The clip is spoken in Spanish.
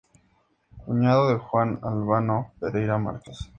Cuñado de Juan Albano Pereira Márquez.